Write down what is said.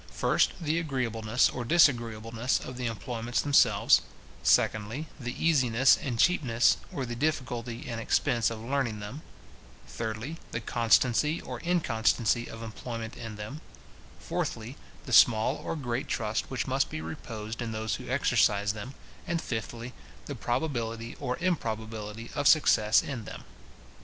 First, the agreeableness or disagreeableness of the employments themselves; secondly, the easiness and cheapness, or the difficulty and expense of learning them; thirdly, the constancy or inconstancy of employment in them; fourthly, the small or great trust which must be reposed in those who exercise them; and, fifthly, the probability or improbability of success in them.